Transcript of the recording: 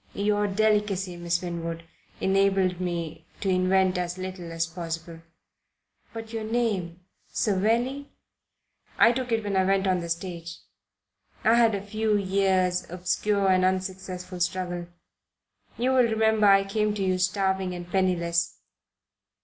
Your delicacy, Miss Winwood, enabled me to invent as little as possible." "But your name Savelli?" "I took it when I went on the stage I had a few years' obscure and unsuccessful struggle. You will remember I came to you starving and penniless."